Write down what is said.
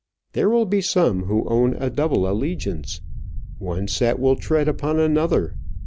There will be some who own a double allegiance. One set will tread upon another.